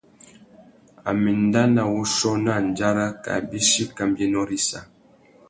A mà enda nà wuchiô nà andjara kā bîchi kambiénô râ issa.